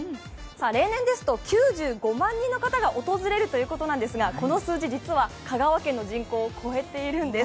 例年ですと、９５万人の方が訪れるということですが、この数字、実は香川県の人口を超えているんです。